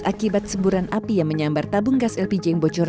akibat semburan api yang menyambar tabung gas lpg yang bocor